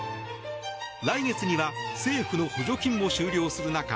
来月には政府の補助金も終了する中